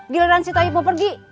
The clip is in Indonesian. giliran si toyib mau pergi